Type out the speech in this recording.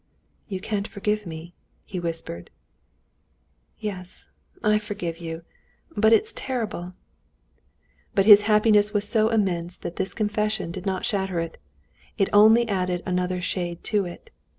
"You can't forgive me," he whispered. "Yes, I forgive you; but it's terrible!" But his happiness was so immense that this confession did not shatter it, it only added another shade to it.